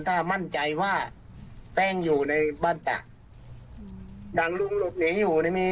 ถ้ามั่นใจว่าแป้งอยู่ในบ้านตักดังลุงหลบหนีอยู่นี่มี